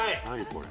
これ。